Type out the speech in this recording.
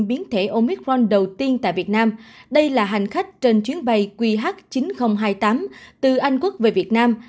biến thể omicron đầu tiên tại việt nam đây là hành khách trên chuyến bay qh chín nghìn hai mươi tám từ anh quốc về việt nam